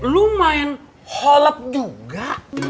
lumayan holeb juga